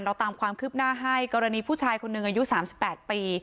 ตามความคืบหน้าให้กรณีผู้ชายคนหนึ่งอายุ๓๘ปี